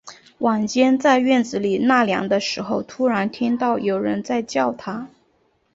晚间，在院子里纳凉的时候，突然听到有人在叫他